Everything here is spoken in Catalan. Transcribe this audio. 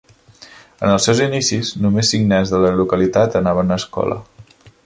En els seus inicis, només cinc nens de la localitat anaven a escola.